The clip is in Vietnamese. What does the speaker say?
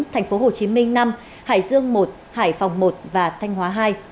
tp hcm năm hải dương một hải phòng một và thanh hóa hai